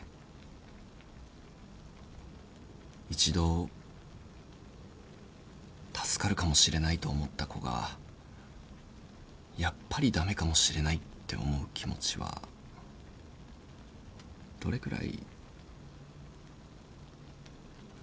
一度助かるかもしれないと思った子がやっぱり駄目かもしれないって思う気持ちはどれくらい。